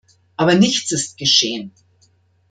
Aber nichts ist geschehen.